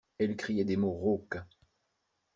Elle criait des mots rauques.